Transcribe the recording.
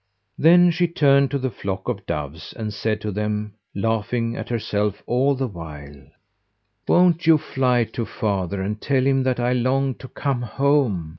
Then she turned to the flock of doves and said to them laughing at herself all the while: "Won't you fly to father and tell him that I long to come home?